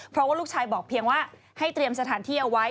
เพราะว่าลูกชายบอกเพียงว่าให้เตรียมสถานที่เอาไว้